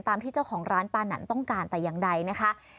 ที่เจ้าของร้านปานันต้องการแต่อย่างใดนะคะ